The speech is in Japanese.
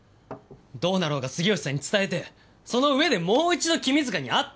どうなろうが杉好さんに伝えてその上でもう一度君塚に会って。